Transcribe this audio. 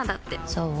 そう？